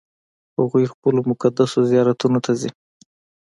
هغوی خپلو مقدسو زیارتونو ته ځي.